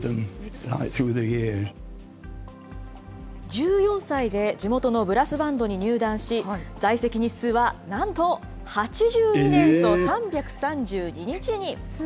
１４歳で地元のブラスバンドに入団し、在籍日数はなんと８２年と３３２日に。